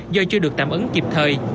do chưa được tạm ứng kịp thời